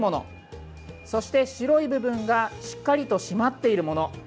そして白い部分がしっかりと締まっているもの。